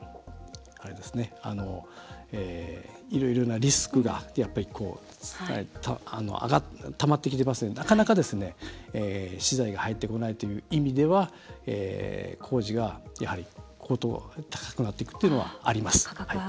いろいろなリスクが、やっぱりたまってきてますのでなかなか、資材が入ってこないという意味では工事がやはり高騰高くなっていくというのはあります。